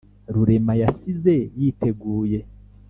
rurema yasize yiteguye